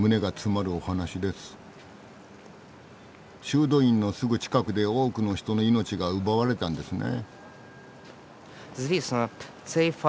修道院のすぐ近くで多くの人の命が奪われたんですね。